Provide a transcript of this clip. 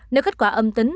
nếu kết quả âm tính